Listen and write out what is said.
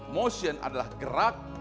motion adalah gerak